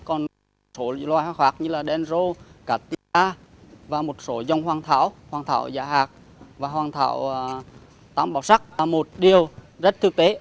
còn một số loài hoa khác như là đen rô cá tiên da và một số dòng hoang thảo hoang thảo giả hạc và hoang thảo tăm bảo sắc là một điều rất thực tế